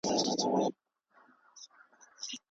ستاسو ملاتړ موږ ته انرژي راکوي.